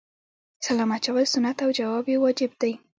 سلام اچول سنت او جواب یې واجب دی